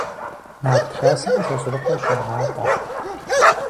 Нарт хасэм Сосрыкъуэ щагъафӀэ.